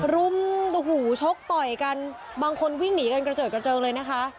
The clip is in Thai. รุมโอ้โหชกต่อยกันบางคนวิ่งหนีกันกระเจิดกระเจิงเลยนะคะ